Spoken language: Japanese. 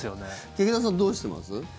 劇団さん、どうしてます？